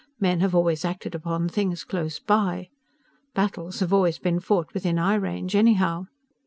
Men have always acted upon things close by. Battles have always been fought within eye range, anyhow.